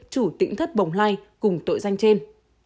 chủ tỉnh thất bồng lai cùng tội danh trên